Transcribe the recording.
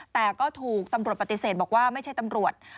แต่ก็ถูกตำรวจปฏิเสธบอกว่าไม่ใช่ตำรวจ